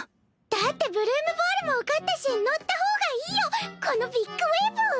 だって「ブルームボール」も受かったし乗った方がいいよこのビッグウエーブ！